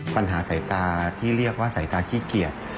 ปัญหาสายตาที่เรียกว่าสายตาขี้เกียจ